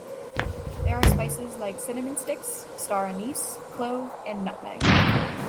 There are spices like cinnamon sticks, star anise, clove and nutmeg.